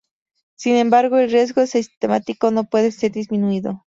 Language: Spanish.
Sin embargo, el riesgo sistemático no puede ser disminuido.